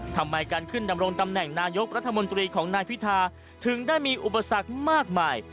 ทำไมการขึ้นดำรงตำแหน่งนายกรัฐมนตรีของนายพิธาถึงได้มีอุปสรรคมากมาย